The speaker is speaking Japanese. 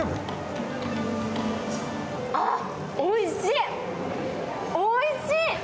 あっ、おいしい、おいしい！